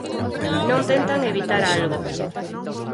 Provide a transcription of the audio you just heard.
Non tentan evitar algo